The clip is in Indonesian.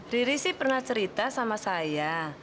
riri sih pernah cerita sama saya